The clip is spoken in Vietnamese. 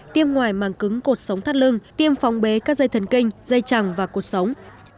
tiêm ngoài màng cứng cột sống thắt lưng tiêm phóng bế các dây thần kinh dây chẳng và cuộc sống